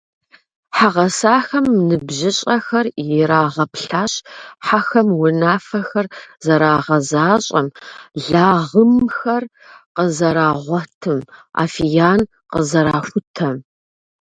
Хьэгъасэхэм ныбжьыщӏэхэр ирагъэплъащ хьэхэм унафэхэр зэрагъэзащӏэм, лагъымхэр къызэрагъуэтым, афиян къызэрахутэм.